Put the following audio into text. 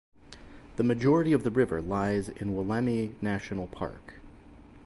The majority of the river lies in Wollemi National Park.